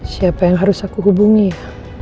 siapa yang harus aku hubungi ya